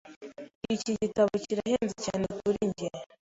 Iki gitabo kirahenze cyane kuri njye.